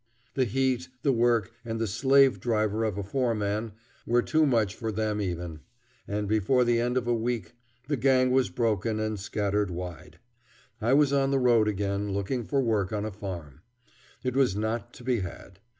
The heat, the work, and the slave driver of a foreman were too much for them even, and before the end of a week the gang was broken and scattered wide. I was on the road again looking for work on a farm. It was not to be had.